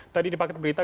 tadi di paket berita